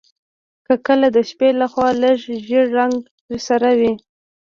که کله د شپې لخوا لږ ژیړ رنګ درسره وي